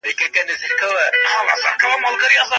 د پانګې تجمع د پرمختګ لومړی شرط دی.